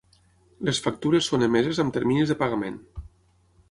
Les factures són emeses amb terminis de pagament.